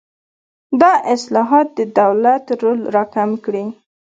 دا اصلاحات د دولت رول راکم کړي.